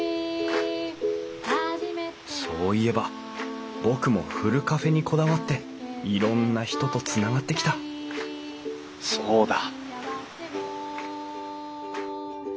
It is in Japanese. そう言えば僕もふるカフェにこだわっていろんな人とつながってきたそうだ！